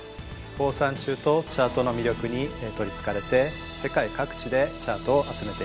放散虫とチャートの魅力に取りつかれて世界各地でチャートを集めています。